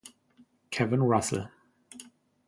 Kevin Russel